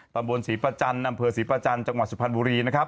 ตำบลศรีประจันทร์อำเภอศรีประจันทร์จังหวัดสุพรรณบุรีนะครับ